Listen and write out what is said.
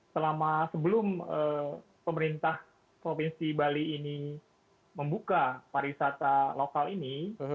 selama sebelum pemerintah provinsi bali ini membuka pariwisata lokal ini